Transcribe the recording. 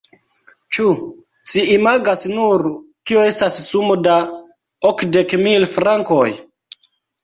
Ĉu ci imagas nur, kio estas sumo da okdek mil frankoj?